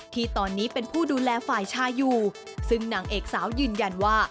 ที่ตอนนี้เป็นผู้ดูแลฝ่ายชายอยู่ซึ่งนางเอกสาวยืนยันว่า